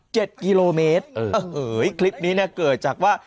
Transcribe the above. กิโลเมตรเออคลิปนี้เนี่ยเกิดจากว่า